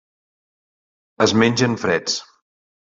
Es mengen freds.